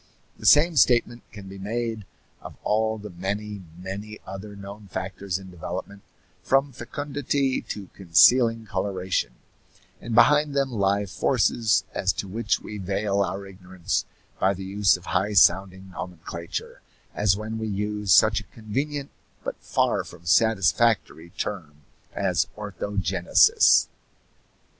The same statement can be made of all the many, many other known factors in development, from fecundity to concealing coloration; and behind them lie forces as to which we veil our ignorance by the use of high sounding nomenclature as when we use such a convenient but far from satisfactory term as orthogenesis.